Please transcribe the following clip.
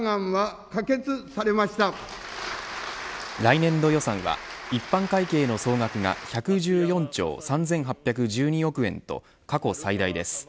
来年度予算は一般会計の総額が１１４兆３８１２億円と過去最大です。